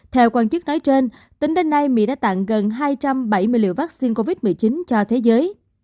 theo quan chức nói trên tính đến nay mỹ đã tặng gần hai trăm bảy mươi liều vaccine covid một mươi chín cho thế giới